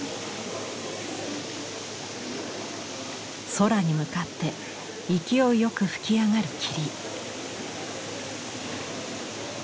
空に向かって勢いよく噴き上がる霧。